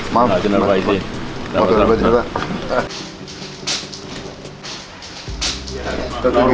maaf bapak baca bapak